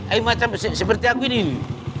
ayo macam seperti aku ini